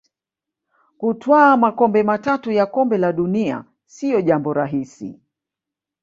Kutwaa makombe matatu ya Kombe la dunia sio jambo rahisi